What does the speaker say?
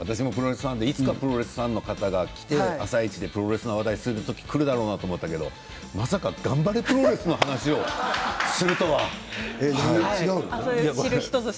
私もプロレスファンでいつかファンの方が来て「あさイチ」で話をする時がくるだろうなと思ったんですがまさかガンバレ☆プロレスの話をするとは。